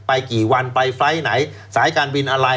อะไรต้องการไปต่างประเทศไปกี่วันไปไฟล์ทไหนสายการบินอะไร